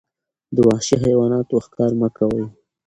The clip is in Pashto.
د وحشي حیواناتو ښکار مه کوئ.